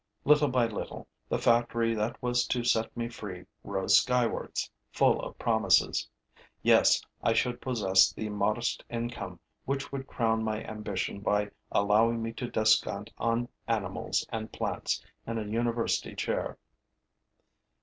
Little by little, the factory that was to set me free rose skywards, full of promises. Yes, I should possess the modest income which would crown my ambition by allowing me to descant on animals and plants in a university chair.